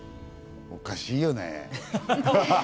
おかしいよね。